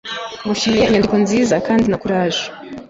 ngushimiye inyandiko nziza kandi na courage